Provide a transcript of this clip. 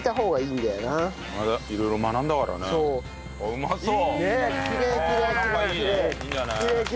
うまそう。